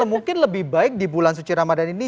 mungkin lebih baik di bulan suci ramadhan ini